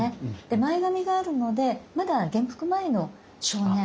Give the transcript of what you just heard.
で前髪があるのでまだ元服前の少年。